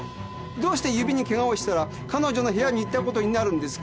どうして指にケガをしたら彼女の部屋に行ったことになるんですか？